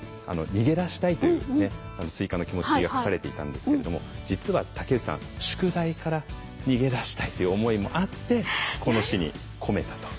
逃げ出したいというスイカの気持ちが書かれていたんですけれども実は竹内さん宿題から逃げ出したいという思いもあってこの詩に込めたと。